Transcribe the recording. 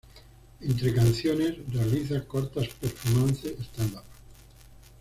Entre canciones, realiza cortas performances stand-up.